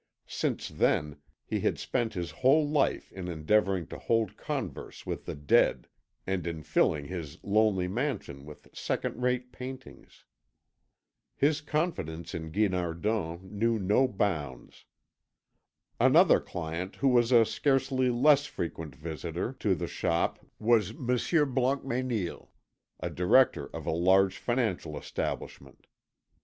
Since then he had spent his whole life in endeavouring to hold converse with the dead and in filling his lonely mansion with second rate paintings. His confidence in Guinardon knew no bounds. Another client who was a scarcely less frequent visitor to the shop was Monsieur Blancmesnil, a director of a large financial establishment.